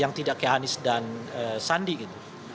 yang tidak kayak anies dan sandi gitu